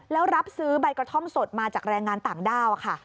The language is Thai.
แล้วรับซื้อใบกระท่อมสดมาจากแรงงานต่างด้าวค่ะ